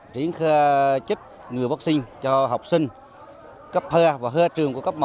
triển khai giúp người vaccine cho học sinh cấp hơ và hơ trường của cấp một